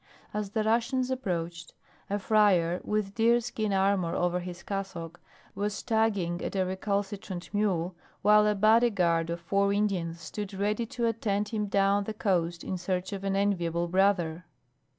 As the Russians approached, a friar, with deer skin armor over his cassock, was tugging at a recalcitrant mule, while a body guard of four Indians stood ready to attend him down the coast in search of an enviable brother.